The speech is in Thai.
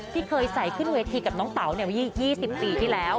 ที่เคยใส่ขึ้นเวทีกับน้องเต๋า๒๐ปีที่แล้ว